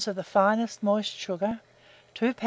of the finest moist sugar, 2 lbs.